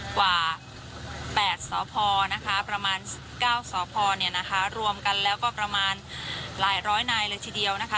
กว่า๘สพไหนนนะคะรวมกันแล้วก็ประมาณหลายร้อยในนึกทีเดียวนะคะ